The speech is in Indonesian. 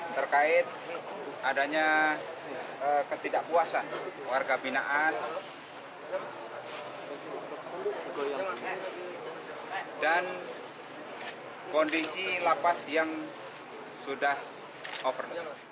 terkait adanya ketidakpuasan warga binaan dan kondisi lapas yang sudah over